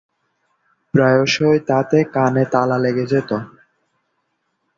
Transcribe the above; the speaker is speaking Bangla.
প্রায়শই তাতে কানে তালা লেগে যেত।